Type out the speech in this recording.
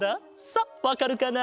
さあわかるかな？